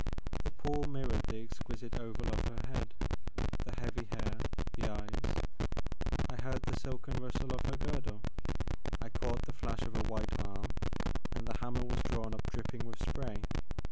The pool mirrored the exquisite oval of her head, the heavy hair, the eyes. I heard the silken rustle of her girdle, I caught the flash of a white arm, and the hammer was drawn up drip ping with spray.